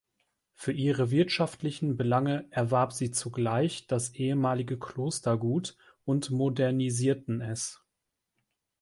Für ihre wirtschaftlichen Belange erwarb sie zugleich das ehemalige Klostergut und modernisierten es.